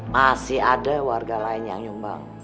masih ada warga lain yang nyumbang